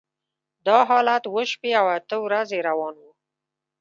دا حالت اوه شپې او اته ورځې روان و.